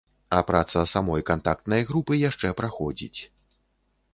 А праца самой кантактнай групы яшчэ праходзіць.